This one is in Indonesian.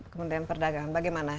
kementerian perdagangan bagaimana